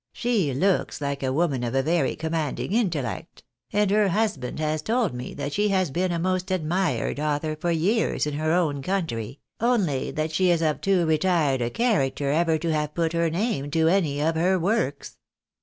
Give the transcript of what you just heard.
She looks fike a woman of a very commanding intellect ; and her husband has told me that she has been a most admired author for years in her own country, only that she is of too retired a charac ter ever to have put her name to any of her works."